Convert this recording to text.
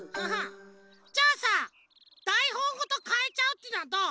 じゃあさだいほんごとかえちゃうっていうのはどう？